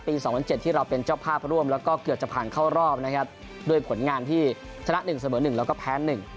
๒๐๐๗ที่เราเป็นเจ้าภาพร่วมแล้วก็เกือบจะผ่านเข้ารอบนะครับด้วยผลงานที่ชนะ๑เสมอ๑แล้วก็แพ้๑